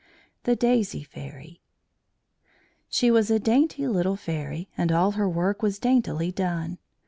THE DAISY FAIRY She was a dainty little fairy, and all her work was daintily done.